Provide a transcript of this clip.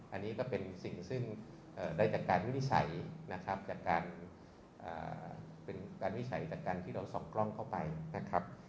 อันนี้ก็เป็นสิ่งซึ่งได้จากการวินิจฉัยนะครับจากการเป็นการวินิจฉัยจากการที่เราส่องกล้องเข้าไปนะครับ